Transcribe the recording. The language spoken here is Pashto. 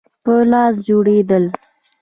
په لاس جوړېدل.